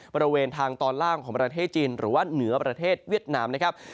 บริเวณทางตอนล่างของประเทศจีนหรือว่าเหนือประเทศเวียดนามนะครับ